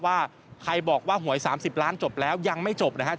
ว่าใครบอกว่าหวย๓๐ล้านจบแล้วยังไม่จบนะครับ